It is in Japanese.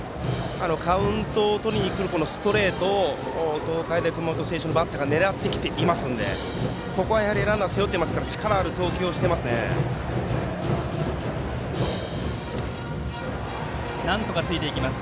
カウントをとりに来るストレートを東海大熊本の選手がねらってきていますのでここはランナーを背負っていますからなんとかついていきます。